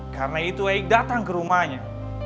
karena itu eik datang ke rumahnya